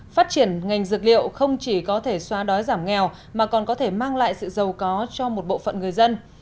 phát triển ngành dược liệu không chỉ có thể xóa đói giảm nghèo mà còn có thể mang lại sự giàu có cho một bộ phận người dân